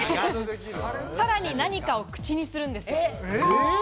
さらに何かを口にするんです。